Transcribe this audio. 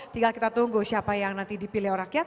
tinggal kita tunggu siapa yang nanti dipilih orang kia